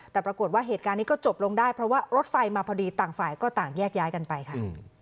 แต่ปรากฏว่าเหตุการณ์นี้ก็จบลงได้เพราะว่ารถไฟมาพอดีต่างฝ่ายก็ต่างแยกย้ายกันไปค่ะ